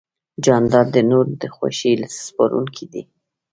جانداد د نورو د خوښۍ سپارونکی دی.